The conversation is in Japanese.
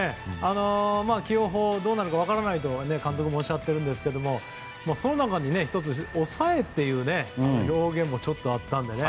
起用法、どうなるか分からないと監督もおっしゃっているんですがその中で１つ、抑えという表現もちょっとあったのでね